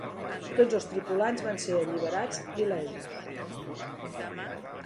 Tots els tripulants van ser alliberats il·lesos.